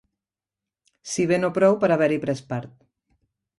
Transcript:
Si bé no prou per haver-hi pres part.